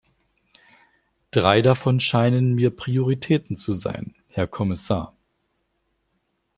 Drei davon scheinen mir Prioritäten zu sein, Herr Kommissar.